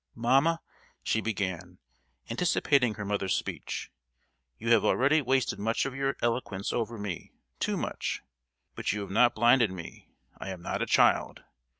"Mamma," she began, anticipating her mother's speech "you have already wasted much of your eloquence over me—too much! But you have not blinded me; I am not a child.